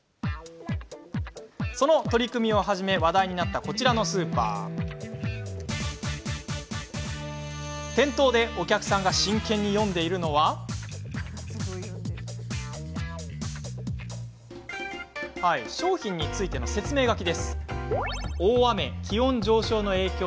その取り組みを始め話題になったこちらのスーパー店頭でお客さんが真剣に読んでいるのは商品についての説明書き。